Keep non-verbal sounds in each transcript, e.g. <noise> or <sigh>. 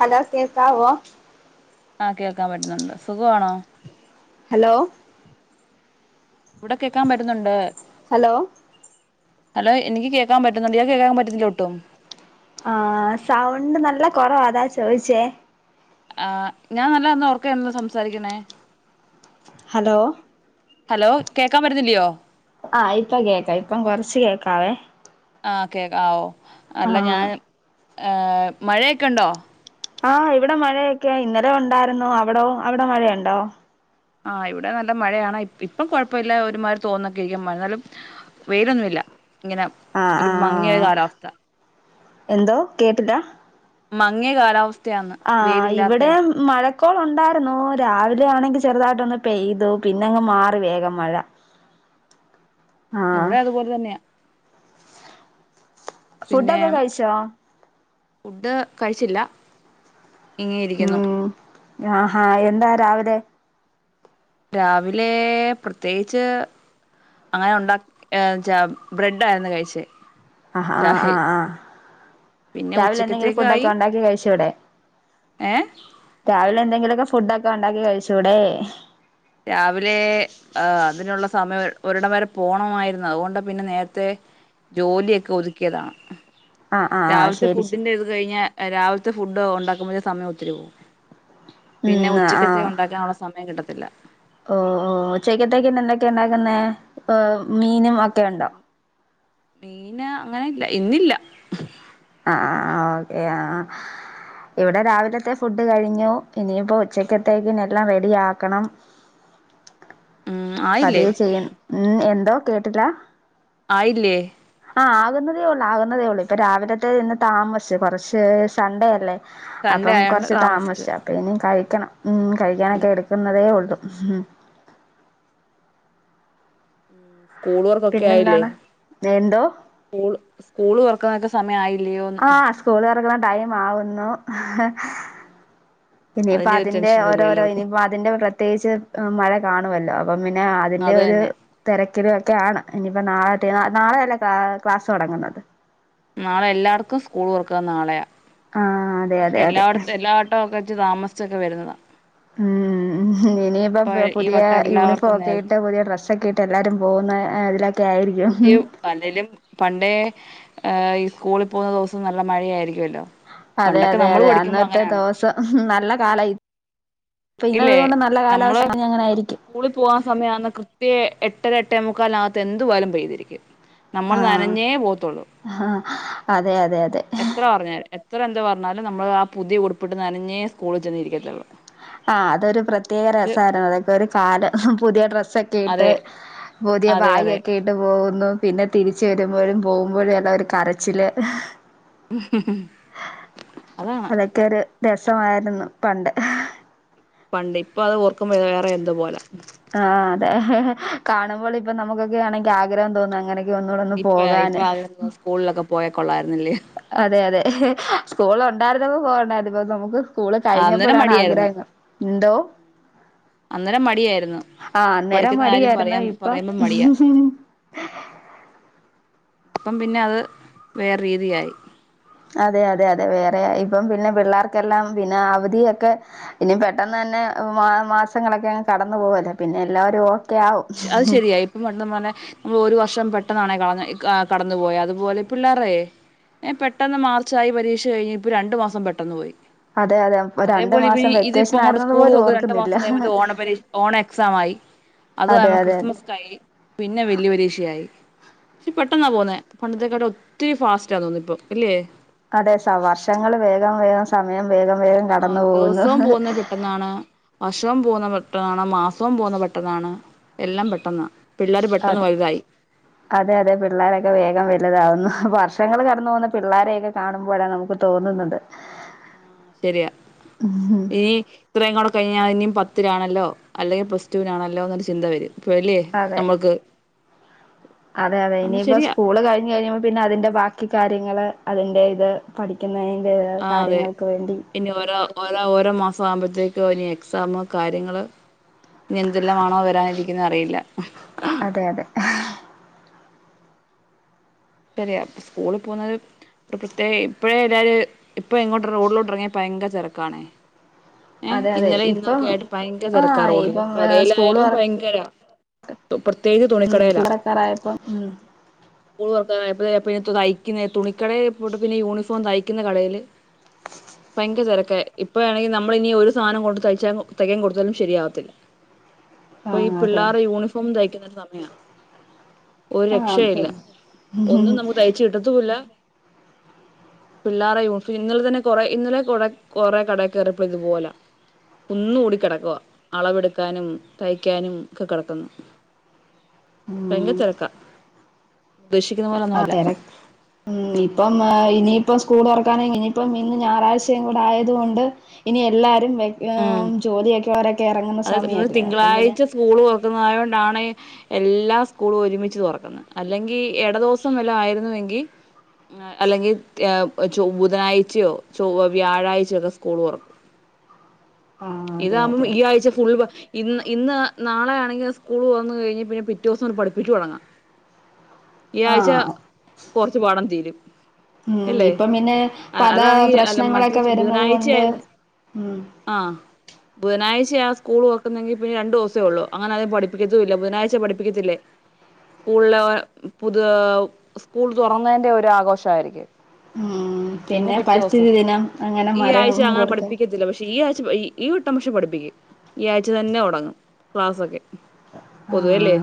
Hello കേക്കാവോ? ആഹ് കേൾക്കാൻ പറ്റുന്നുണ്ട് സുഖവാണോ ഹലോ ഇവിടെ കേക്കാൻ പറ്റ്ന്നുണ്ട് ഹലോ ഹലോ എനിക്ക് കേക്കാൻ പറ്റുന്നൊണ്ട് ഇയാക്ക് കേക്കാൻ പറ്റത്തില്ലേ ഒട്ടും ആഹ് സൗണ്ട് നല്ല കൊറവാ അതാ ചോയ്ച്ചേ ആഹ് ഞാൻ നല്ലോന്ന് ഒറക്കെയാണല്ലോ സംസാരിക്കണേ ഹലോ ഹലോ കേക്കാൻ പറ്റുന്നില്ലയോ ആഹ് ഇപ്പം കേക്കാ ഇപ്പം കൊറച്ച് കേക്കാവേ ആഹ് കേക്കാവോ ആ അല്ല ഞാന് ഏഹ് മഴയൊക്കെണ്ടോ ആഹ് ഇവിടെ മഴയൊക്കെ ഇന്നലെ ഉണ്ടായിരുന്നു അവിടോ അവിടെ മഴയുണ്ടോ ആഹ് ഇവിടെ നല്ല മഴയാണ് ഇ ഇപ്പം കൊഴപ്പവില്ല ഒരുമാരി തോർന്നൊക്കെയിരിക്കും മഴന്നാലും വെയിലൊന്നുല്ല ഇങ്ങനെ ആ ആ ഒരു മങ്ങിയൊരു കാലാവസ്ഥ എന്തോ കേട്ടില്ലാ മങ്ങിയ കാലാവസ്ഥയാണ് വേയിലില്ലാത്തെ മഴക്കോള്ണ്ടായിരുന്നു രാവിലെ ആണെങ്കി ചെറുതായിട്ടൊന്ന് പെയ്തു പിന്നെങ്ങ് മാറി വേഗം മഴ ആ ഇവിടെ അതുപോലെ തന്നെയ പിന്നെ ഫുഡൊക്കെ കഴിച്ചോ ഫുഡ് കഴിച്ചില്ല ഇങ്ങനെ ഇരിക്കുന്നു ഉം ആഹാ എന്താ രാവിലെ രാവിലേ പ്രത്യേയ്ച്ച് അങ്ങനെ ഒണ്ടാക്ക ഏഹ് ചപ്പ് ബ്രെഡായിരുന്നു കഴിച്ചേ അഹ് ആ ചാഹെ ആ ആഹ് പിന്നെ രാവിലെ എന്നാങ്കിലും ഫുഡൊക്കെ ഉച്ചക്കത്തേക്കായി ഒണ്ടാക്കി കഴിച്ചൂടെ ഏ രാവിലെ എന്തെങ്കിലൊക്കെ ഫുഡ്ഡക്കെ ഉണ്ടാക്കി കഴിച്ചൂടേ രാവിലേ.. ആഹ് അതിനുള്ള സമയം ഒരിടം വരെ പോണമായിരുന്നു അവോണ്ട പിന്നെ നേരത്തെ ജോലിയൊക്കെ ഒതുക്കിയതാ ആഹ് ആഹ് ആഹ് രാവിൽത്തെ ശരി ശരി ഫുഡിന്റെ ഇത് കഴിഞ്ഞാ രാവിൽത്തെ ഫുഡ് ഒണ്ടാക്കുമ്പോഴെ സമയം ഒത്തിരി പോവും പിന്നെ ഉം ഉച്ചക്കത്തെ ഉണ്ടാക്കാന്ള്ള സമയം കിട്ടത്തില്ല ഓഹ് ഓഹ് ഉച്ചക്കത്തേക്കിന്ന് എന്തൊക്കെ ഉണ്ടാക്കുന്നേ ഓഹ് മീനും ഒക്കെയുണ്ടോ മീന് അങ്ങനെയില്ലാ ഇന്നില്ല ആഹ് ഓക്കെ ആഹ് ഇവടെ രാവിലത്തെ ഫുഡ് കഴിഞ്ഞു ഇനിയിപ്പോ ഉച്ചക്കത്തേക്കിനിയെല്ലാം റെഡിയാക്കണം ഉം ആയില്ലേ പതിയെ ചെയ്യൻ ഉം എന്തോ കേട്ടിട്ട്ല്ലാ ആയില്ലേ ആഹ് ആകുന്നതേയുള്ളു ആകുന്നതേയുള്ളൂ ഇപ്പം രാവിലത്തെ ഇന്ന് താമസിച്ച് കൊറച്ച് സൺഡേയല്ലേ സൺഡേ അപ്പം ആയോണ്ട് കൊറച്ച് താമസിച്ച് താമസിച്ചാ പിന്നെ കഴിക്കണം ഉം കഴിക്കാനൊക്കെ എടുക്കുന്നതേ ഒള്ളു സ്കൂള് വർക്കൊക്കെ ആയില്ലേ പിന്നെന്താണ് എന്തോ സ്കൂൾ സ്കൂള് തൊർക്കാൻ ഒക്കെ സമയം ആയില്ലയോന്ന് സ്കൂളൊർക്ക്ണെ ടൈമാകുന്നു ഇനിയിപ്പ ഒരു അതിന്റെ ടെൻഷനല്ലേ ഓരോരോ എല്ലാവർക്കും ഇനിയിപ്പം അ ഇതിന്റെ പ്രത്യേയിച്ച് ഏഹ് മഴ കാണുവല്ലോ അപ്പം പിന്നെ അതിന്റെ അത് ഒരു തന്നെ തെരക്കില് ഒക്കെയാണ് ഇനിപ്പ നാളത്തെ നാളെയല്ലെ ക്ലാ ക്ലാസൊടങ്ങുന്നത് നാളെ എല്ലാട്ക്കും സ്കൂള് തൊറക്ക നാളെയാ ആഹ് അതെ പക്ഷെ അതെ അതെ എല്ലാട്ത് എല്ലാട്ടവൊക്കെ വെച്ച് താമസിച്ചൊക്കെ വരുന്നതാ ഉം ഇനിയിപ്പം ഇപ്പൊ ഈ പുതിയ വട്ടം യൂണിഫോം എല്ലാവർക്കും ഒക്കെ നേരത്തെ ഇട്ട് പുതിയ ഡ്രസ്സൊക്കെ ഇട് ട്ട് എല്ലാരും പോകുന്ന ഇതിലൊക്കെ ആയിരിക്കും പുതിയ അല്ലേലും പണ്ടേ ഹ് ഈ സ്കൂളിൽ പോകുന്ന ദിവസം നല്ല മഴയായിരിക്കുവല്ലോ. അതെ അതെ അതെ അന്നത്തെ ദവോസ് പ്പൊ നല്ല കാലായി ഇല്ലേ പെയ്യുന്നതുകൊണ്ട് നല്ല നമ്മള് കാലാവസ്ഥ അങ്ങനെ ആയിരിക്ക്യും സ്കൂളിൽ പോവാൻ സമയാമ്പം കൃത്യ എട്ടര എട്ടേ മുക്കാലിനകത്ത് എന്ത് വായ്ലും പെയ്തിരിക്കും. നമ്മൾ ആഹ് നനഞ്ഞേ പോവത്തുള്ളു. ആഹ് അതെ അതെ അതെ എത്ര പറഞ്ഞാലും എത്ര എന്താ പറഞ്ഞാലും നമ്മൾ ആ പുതിയ ഉടുപ്പിട്ട് നനഞ്ഞേ സ്കൂളിൽ ചെന്നിരിക്കത്തള്ളൂ. ആ അതൊരു പ്രത്യേക രസയിരുന്നു. അതൊക്കെ ഒരു കാലം. പുതിയ ഡ്രസ്ക്കെ കേട്ട് അതെ പുതിയ അതെ അതെ ബാഗ്ക്കെയ് ട്ട് പോകുന്നു. പിന്നെ തിരിച്ച് വരുമ്പോഴും പോകുമ്പോഴും എല്ല ഒരു കരച്ചില്. ഉ <inaudible> അതൊക്കെ ഒരു രസമായിരുന്നു പണ്ട്. പണ്ട് ഇപ്പൊ അത് ഓർക്കുമ്പോ വേറെ എന്തൊ പോലെ ആ അതെ കാണുമ്പോൾ ഇപ്പൊ നമുക്കൊക്കെ ആണെങ്കി ആഗ്രഹം തോന്നു അങ്ങനെക് ക്കെ ഒന്നൂടെ ഒന്ന് ഇപ്പ ഇപ്പ പോകാന്. ആഗ്രഹം സ്കൂളിലൊക്കെ പോയ കൊള്ളായിരുന്നില്ലേ. ആ അതെ അതെ സ്കൂള് ഉണ്ടായിരുന്നപ്പ പോവണ്ടാര്ന്ന് പ്പൊ നമുക്ക് സ്കൂള് അന്നേരം കഴിഞ്ഞപ്പൊഴാണ് മടിയായിരുന്നു ആഗ്രഹം ന്ന് എന്തോ. അന്നേരം മടിയായിരുന്നു ആ അന്നേരം പഠിക്കുന്ന കാര്യം മടിയരുന്നു. പറയാൻ ഇപ്പം പറയുമ്പം മടിയാ ഇപ്പം പിന്നെ അത് വേറെ രീതിയായി. അതെ അതെ അതെ. വേറെ ഇപ്പം പിന്നെ പിള്ളേർക്കെല്ലാം പിന്നെ അവധിയൊക്കെ ഇനി പെട്ടെന്ന് തന്നെ മാസങ്ങളൊക്കെ അങ് കടന്നു പോവല്ലേ പിന്നെ എല്ലാവരും ഓ അത് ശരിയായി പർഞ്ഞ പെലെ നമ്മ്ള് ഒരു വർഷം പെട്ടന്നാണേ കളന്ന് ക കടന്നു പോയ അതുപോലെ പിള്ളാറേയ് ഏ പെട്ടെന്ന് മാർച്ചായി പരീക്ഷ കഴിഞ് ഇപ്പൊ രണ്ടു മാസം പെട്ടെന്ന് പോയി. അതെ അതെ രണ്ടു അതേപോലെ ഇപ്പ മാസം ഈ ഇത് ഇപ്പ വെക്കേഷൻ ഇങ്ങോട്ട് ആയിരുന്നത് സ്കൂള് പോലും തൊർന്ന് രണ്ട് ഓർക്കുന്നില്ല മാസം കഴിയുമ്പോത്ത് ഓണപ്പരീ ഓണ എക്സാം ആയി. അതെ അതാകുമ അതെ ക്രിസ്മസ് കഴിഞ് പിന്നെ വല്യ പരീക്ഷയായി. പക്ഷെ പെട്ടെന്നാ പോകുന്നേ പണ്ടത്തെക്കാട്ടും ഒത്തിരി ഫാസ്റ്റാ തോന്ന് ഇപ്പം ഇല്ല്യേ അതെ ഷ വർഷങ്ങള് വേഗം വേഗം സമയം വേഗം വേഗം കടന്നു ആഹ് പോകുന്നു ദിവസവും പോകുന്ന പെട്ടെന്നാണ്. വർഷവും പോവുന്ന പെട്ടന്നാണ്. മാസവും പോകുന്ന പെട്ടെന്നാണ് എല്ലാം പെട്ടെന്നാ പിള്ളേര് പെട്ടെന്ന് അതെ വലുതായി അതെ അതെ. പിള്ളാരൊക്കെ വേഗം വലുതാവകുന്നു. വർഷങ്ങൾ കടന്നു പോകുന്ന പിള്ളോരെയൊക്കെ കാണുമ്പോഴാ നമുക്ക് തോന്നുന്നത്. ആഹ് ശരിയാ ഉം ഈ ഇത്രയും നാള് കഴിഞ്ഞാൽ ഇനി പത്തിലാണല്ലോ. അല്ലെങ്കിൽ പ്ലസ്ടുവിനാണല്ലോ എന്നൊരു ചിന്ത വരും. ഇപ്പഅല്ലേ അതെ ഞമ്മക്ക്. അതെ അതെ. ഇനിയിപ്പോ സ്കൂള് കഴിഞ്ഞ് കഴിയുമ്പോൾ പിന്നെ അതിന്റെ ബാക്കി കാര്യങ്ങള് അതിന്റെ ഇത്. പഠിക്കുന്നതിൻ്റെ ആ അതെ കാര്യങ്ങൾക്ക് വേണ്ടി. ഇനി ഓരോ ഓരോ ഓരോ മാസം ആവുമ്പോഴത്തേക്കും ഇനി എക്സാം കാര്യങ്ങള്. ഇനി എന്തെല്ലാമാണോ വരാനിരിക്കെന്ന് അറിയില്ല. അതെ അതെ. ശരിയാ. സ്കൂളിൽ പോകുന്നത്. ഇ പ്രത്യേക ഇപ്പോഴേ എല്ലാരും ഇപ്പ ഇങ്ങോട്ട് റോഡിലോട്ട ഇറങ്ങിയ ഭയങ്കര തിരക്കാണേ. ഏഹ് അതെ അതെ ഇന്നലെ ഇപ്പം ഇന്നൊക്കെ ആയിട്ട് ഭയങ്കരം തിരക്കാ ആഹ് റോഡിലും. ഇപ്പം സ്കൂള് കടയിലായാലും തുറ ഭയങ്കര. പ്രത്യേകം തുണിക്കടയില. സ്കൂൾ തുറക്കാറായപ്പം ഉം പിന്നെ തയ്ക്കുന്ന തുണിക്കടയിൽ പോട്ട് പിന്നെ യൂണിഫോം തയ്ക്കുന്ന കടയില് ഭയങ്ക തിരക്കായി ഇപ്പ വേണെങ്കിൽ നമ്മൾ ഇനി ഒരു സാധനം കൊണ്ട് തയ്ച്ചാ തയ്ക്കാൻ കൊടുത്താലും ശരിയാവത്തില്ല ഇപ്പൊ ഈ ആഹ് അതെ പിള്ളേരെ യൂണിഫോം തയ്ക്കുന്നരു സമയമാണ് ഒരു ആഹ് രക്ഷയും ഇല്ല പിന്നെ ഒന്നും നമുക്ക് തയ്ച്ച് കിട്ടത്തുല്ല പിള്ളേരെ യൂണിഫം ഇന്നലെ തന്നെ കൊറ ഇന്നലെ കൊ കൊറേ കട കയറിയപ്പോളി ഇതു പോല കുന്നു കൂടി കിടക്കവാ അളവെടുക്കാനും തയ്ക്കാനും ഒക്കെ കിടക്കുന്നു ഭയങ്കരം ഉം തിരക്കാ കൃഷി ആ തിരക്ക് ഉം ഇപ്പം ഇനിയിപ്പം സ്കൂൾ തുറക്കാനെങ്കിൽ ഇനിയിപ്പം ഇന്ന് ഞായറാഴ്ചയും കൂടെ ആയതുകൊണ്ട് ഇനി എല്ലാരും വെ ഉം ജോലിയൊക്കെ രൊക്കെ ഇറങ്ങുന്ന സമയല്ലേ അപ്പം പിന്നെ സ്കൂള് തുറക്കുന്നത് ആയോണ്ടാണേ എല്ലാ സ്കൂളും ഒരുമിച്ച് തുറക്കുന്നു അല്ലെങ്കി ഇട ദിവസം വല്ലആയിരുന്നുവെങ്കി അല്ലെങ്കിൽ ച ബുധനാഴ്ചയോ ചൊ വ്യാഴാഴ്ചയൊക്കെ സ്കൂൾ കുറക്കും ആ അതെ ഇതാവുമ്പോ അതെ ഈ ആഴ്ച്ച ഫുൾ ഇന്ന് ഇന്ന് നാളെയാണെങ്കിൽ സ്കൂൾ വന്നു കഴിഞ്ഞൽ പിന്നെ പിറ്റേ ദിവസം ഒരു പഠിപ്പിച്ച് തുടങ്ങാം ഈ ആ ആഴ്ച കുറച്ചു പാടം തീരും ഉം അല്ലേ ഇപ്പം പിന്നെ പത അതാണെങ്കിൽ അല്ല മറ്റേ പ്രശ്നങ്ങളൊക്കെ വരുന്നത് കൊണ്ട് ഉം ആഹ് ബുധനാഴ്ച ആ സ്കൂൾ തുറക്കുന്നെങ്കിൽ പിന്നെ രണ്ട് ദിവസേ ഒള്ളൂ അങ്ങനെ അത് പഠിപ്പിക്കതുമില്ല ബുധനാ്ച പഠിപ്പിക്കത്തില്ലേ സ്കൂളിലെ പുതുയ സ്കൂൾ തുറന്നതിന്റെ ഒരു ആഘോഷയിരിക്കും ഉം പിന്നെ പിറ്റേ ദിവസം പരിസ്ഥിതി ദിനം അങ്ങനെ ഈ ആഴ്ച മരം അങ്ങനെ കൊടുക്ക പഠിപ്പിക്കത്തില്ല പക്ഷേ ഈ ആഴ്ച ഈ വെട്ടം പക്ഷെ പഠിക്കേ ഈ ആഴ്ച തന്നെ തുടങ്ങും ക്ലാസ്സൊക്കെ ആ പൊതുവല്ലേ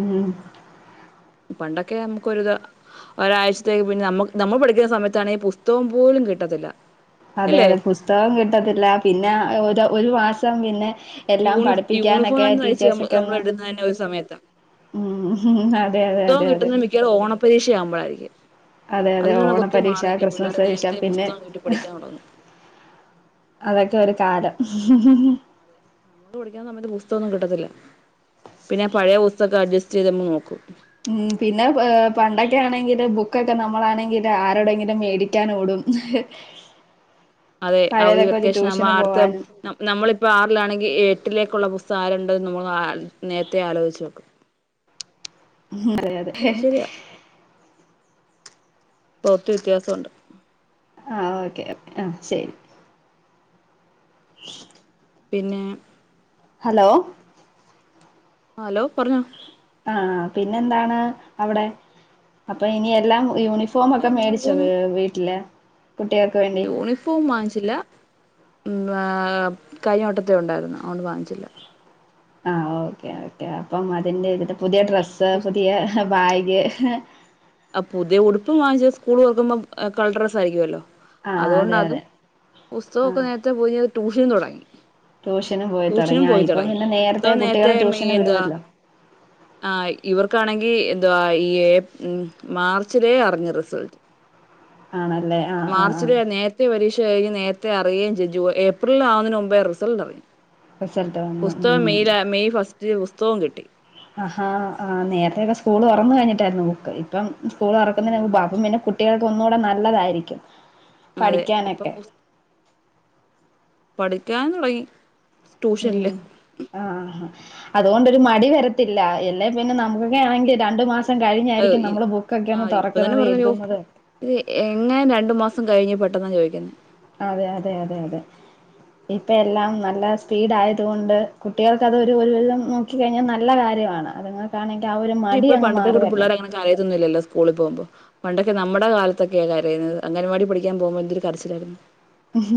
ഉം പണ്ടൊക്കെ നമുക്കൊ ഒരുതാ ഒരാഴ്ചത്തേക്ക് പിന്നെ നമ്മ നമ്മൾ പഠിക്കുന്ന സമയത്താണെ ഈ പുസ്ക പോലും കിട്ടത്തില്ല അതെ ഇല്ലേ അതെ പുസ്തകം കിട്ടത്തില്ല പിന്നെ ഒരു ഒരു മാസം പിന്നെ എല്ലാം യൂണി യൂണിഫോം പഠിപ്പിക്കാനൊക്കെ തന്നെ തയ്ച്ച് നമ്മൾ ടീച്ചേഴസൊക്കെ നമ്മൾ ഒന്ന് ഇടുന്ന തന്നെ ഒരു സമയത്താ ഉം ഹും അതെ അതെ അതെ അതെ കിട്ടുന്നെ മിക്കവാറും ഓണ പരീക്ഷയാവ്മ്പഴായ്രിക്കും അതെ അതെ അതിൽ നിന്നാെക്കെ ഓണ ഒത്തിരി പരീക്ഷ മാറിയില്ലേ ക്രിസ്മസ് പിള്ളേര് പരീക്ഷ നേര്ത്തെ പിന്നെ പുസ്തകം കിട്ടി പഠിക്കാൻ താെടങ്ങും അതൊക്കെ ഒരു കാലം നമക്ക് പഠിക്കാൻ സമയത്ത് പുസ്തകൊന്നും കിട്ടത്തില്ല പിന്നെ ഞാ പഴെയ പുസ്തക അഡ്ജസ്റ്റെയ്ത്ങ്ങ് നോക്കും ഉം പിന്നെ പ് പണ്ടൊക്കെ ആണെങ്കില് ബുക്കൊക്കെ നമ്മളാണെങ്കില് ആരോടെങ്കിലും മേടിയ്ക്കാനോടും അ അതെ അവധി വെക്കേഷനാവുമ്പം ട്യൂഷന് ആറ്ത്തെ പോവാനും നം നമ്മളിപ്പ ആറ്ലാണെങ്കി എ ഏട്ടിലേക്കുള്ള പുസ്തകം ആരുണ്ട്ന്ന് നമ്മൾ ആൽ നേര്ത്തെ ആലോച്‌ച്ച് വെക്കും അതെ അതെ ശെരിയാ ക്ലോത്ത് വിത്യാസ ഉണ്ട് ആഹ് ഓക്കെ അപ് ആഹ് ശെരി പിന്നേ ഹലോ ആഹ് ഹലോ പർഞ്ഞോ ആഹ് പിന്നെന്താണ് അവ്ടെ അപ്പ ഇനി എല്ലാം യൂണി വേറെന്നുല്ല ഫോമൊക്കെ മേടിച്ചോ വ് വീട്ട്ല് യൂണിഫ് ഫോം വാങ്ങിച്ചില്ലാ ന്താ കയ്ഞ്ഞെ വട്ടത്തെ ഉണ്ടായ്ര്ന്നു അതുകൊണ്ട് വാങ്ങിച്ചില്ല ആഹ് ഓക്കേ ഓക്കേ അപ്പം അതിന്റെ ഒര്ത് പുതിയ ഡ്രെസ്സ് പുതിയ ബായ്ഗ് ആഹ് പുതിയ ഉടുപ്പ് വാങ്ങിച്ചെ സ്കൂൾ തൊർക്കുമ്പം കളർ ഡ്രസ്സായിരിക്കുമല്ലോ ആഹ് അതെ അതുകൊണ്ടതും അതെ പുസ്തകമൊക്കെ ആഹ് നേര്ത്തെ പോയി അത് ട്യൂഷനും താെടങ്ങി ട്യൂഷന് പോയി ട്യൂഷനും തുടങ്ങി ആ പോയ് ഇപ്പം താെടെങ്ങി പിന്നെ നേരത്തെ പുസ്തകം കുട്ടികളെ നേര്ത്തെ മെ ട്യൂഷന് എന്താ വിടുവല്ലോ ആഹ് ഇവർക്കാണെങ്കി എന്തുവാ ഈ ഏഹ് ഉം മാർച്ചിലേ അറിഞ്ഞ് റിസൾട്ട് ആണല്ലേ ആഹ് ആഹ് ആഹ് മാർച്ചിലെ നേ ര്‌ത്തെ പരീക്ഷ കഴിഞ്ഞ് നേര്ത്തെ അറിയേം ചെയ്ത് ജൂ ഏപ്രിൽലാവുന്നതിന് മുമ്പേ റിസൾട്ടറിയാം റിസൾട്ട് വന്നു പുസ്തകം ഉം മെയ്ലാ മെയ് ഫസ്റ്റ്ല് പുസ്തകവും കിട്ടി ആഹാ ആഹ് നേര്ത്തെയൊക്കെ സ്കൂള് തൊർന്ന് കഴിഞ്ഞിട്ടായ്‌ര്ന്നു ബുക്ക് ഇ പ്പം സ്കൂൾ തൊറക്കുന്നതി ഉം <unintelligible> ന്നെ കുട്ടികൾക്ക് ഒന്നൂടെ നല്ലതായിരിക്കും അതെ ഇപ്പം പഠിക്കാനൊക്കെ ബുസ് പഠിക്കാൻ താെടെങ്ങി ട്യൂഷൻല് ആഹ് ആഹ് ഹാ അതുകൊണ്ടൊരു മടി വരത്തില്ലാ എല്ലേ പിന്നെ നമുക്കൊക്കെ ആണെങ്കി രണ്ട് മാസ് സം അ കഴിഞ്ഞായ്രിക്കും ഇ നമ്മള് ആ ബുക്കൊക്കെയാെന്ന് ഇപ്പൊ തന്നെ താെറക്ക്ന്നത് പറഞ്ഞല്ലോ എഴ്ത്‌ന്നത് ഇത് എങ്ങെനെ രണ്ട് മാസം കഴിഞ്ഞ് പെട്ടെന്നാ ചോയ്ക്ക്ന്നെ അതെ അതെ അതെ അതെ ഇപ്പം എല്ലാം നല്ല സ്പീഡായത്കൊണ്ട് കുട്ടികൾക്ക് അത് ഒരു ഒര് ഒര് <unintelligible> ക്കി കഴിഞ്ഞാ നല്ല കാര്യമാണ് അത്ങ്ങക്കാണെങ്കി ആ ഒര് മടി അങ്ങ് മാറുവെല്ലോ തായെയൊന്നുല്ലല്ലോ സ്കൂളി പോവുമ്പോ പണ്ടൊക്കെ നമ്മടെ കാലത്തൊക്കെയാ കരയ്ന്നത് അംഗനവാടി പഠിക്കാം പോവ്മ്പോ എന്തൊരു കരച്ച്ലായ്ര്ന്നു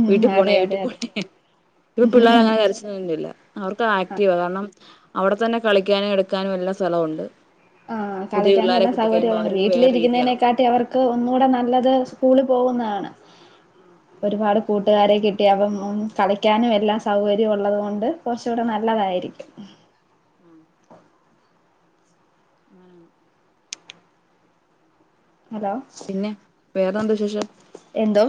വീട്ടി പോണേ അതെ വീട്ടി അതെ അതെ പോണെ പ്പ പിള്ളാരങ്ങെനെ കരച്ച് ന്നില്ല അവർക്ക് ആ ആക്റ്റീവാ കാര്ണം അവ്ടെ തന്നെ കളിക്കാനും എട്ക്കാനും എല്ലാം സ്ഥലവുണ്ട് ആഹ് കളിക്കാനും എല്ലാം സൗകര്യങ്ങള് അവർക്ക് വേറെ രീതിയാകും വീട്ട്ലിരിക്ക്ന്നേനെക്കാട്ടി അവർ ക്ക് ഒന്നൂടെ നല്ലെത് സ്കൂളി പോവുന്നാണ് ഒരുപാട് കൂട്ട്കാരെ കിട്ടി അപ്പം കളിക്കാനും എല്ലാം സൗകര്യും ഉള്ളത് കൊണ്ട് കൊർച്ച്കൂടെ ഉം നല്ലതായിരിക്കും ആഹ് അങ്ങനെ ആവണം ഹലോ പിന്നെ വെറെ എന്തു വിശേഷം എന്തോ?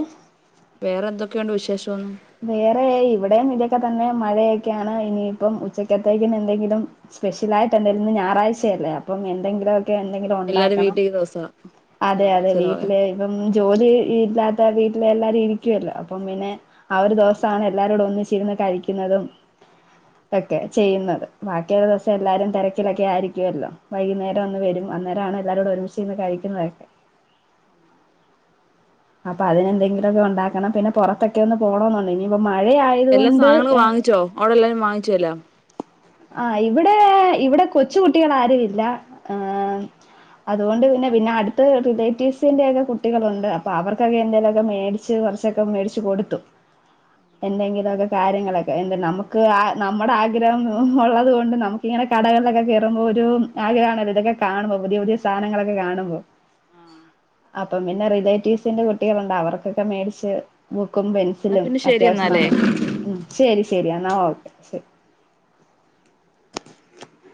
വെറെ എന്തൊക്കെ ഒണ്ട് വിശേഷൊന്ന് വേറെ ഇവടെം ഇതൊക്കെ തന്നെ മഴയൊക്കെയാണ് ഇനിയിപ്പം ഉച്ചക്കത്തേക്കിന് എന്തെങ്കിലും സ്പെഷ്യലായിട്ട് എന്തെങ്കിലും ഞായറാഴ്ച അല്ലെ അപ്പ എന്തെങ്കിലും ക്കെ എന്തെങ്കിലും എല്ലാരും ഉണ്ടാക്കണം വീട്ടിൽ ഈ ദിവസാ അതെ അതെ ഞായറാഴ്ചന്ന് വീട്ടിൽ പറയാം ഇപ്പം ജോലി ഇല്ലാത്തെ വീട്ടിലെ എല്ലാരും ഇരിക്കുവല്ലോ അപ്പം പിന്നെ ആ ഒരു ദുവസാണ് എല്ലാരുടെ ഒന്നിച്ചിരുന്ന് കഴിക്കുന്നതും ഒക്കെ ചെയ്യ്ന്നെത് ബാക്കിയുള്ള ദുവസം എല്ലാരും തെരക്കിലൊക്കെ ക്കെ ആയിരിക്കുവല്ലോ വൈകുന്നേരം ഒന്ന് വെരും അന്നേരം ആണ് എല്ലാരുടെ ഒരുമിച്ച് നിന്ന് കഴിക്കുന്നെത് ഒക്കെ ഉം അപ്പം അതിന് എന്തെങ്കിലു ഒക്കെ ഉണ്ടാക്കെണം പിന്നെ പൊറത്തൊക്കെ ഒന്ന് പോണം എന്നു ഉണ്ട് ഇനിയിപ്പം മഴ ആയെത് കൊണ്ട് എ അയുടെ എല്ലാരും വാങ്ങിച്ചു എല്ലോ ആഹ് ഇവടെ ഇവടെ കൊച്ചുകുട്ടികൾ ആരു ഇല്ലാ ഏഹ് അതുകൊണ്ട് പിന്നെ പിന്നെ അട്ത്ത് റിലേറ്റീവ്സിന്റെറെ ഒക്കെ കുട്ടികളുണ്ട് അപ്പ അവർക്കൊക്കെ എന്തെലും ഒക്കെ മേടി ച്ച് കൊറച്ചൊക്കെ മേടിച്ച് കൊടുത്തു. എന്തെങ്കിലു ഒക്കെ കാര്യങ്ങളൊക്കെ എന്ത് നമുക്ക് ആ നമ്മുടെ ആഗ്രഹംന്ന് ഒള്ളത് കൊണ്ട് നമുക്ക് ഇങ്ങനെ കടകളിലൊക്കെ കേറുമ്പോ ഒരു ആഗ്രഹം ആണല്ലോ ഇതൊക്കെ കാണുമ്പോ പുതിയ പുതിയ സാനങ്ങളൊക്കെ കാണുമ്പോ ആഹ് അപ്പം പിന്നെ റിലേറ്റീവ്സിന്റെ കുട്ടികളുണ്ട് അവർക്കൊക്കെ മേടിച്ച് ബുക്കും എന്നാ പെൻസിലും പിന്നെ ശരി അത്യാവശ്യം എന്നാലേ നമുക്ക് ഉം ശരി ശരി എന്നാ ഓക്കെ ശെ